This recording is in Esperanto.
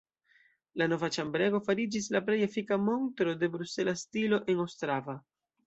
La nova ĉambrego fariĝis la plej efika montro de brusela stilo en Ostrava.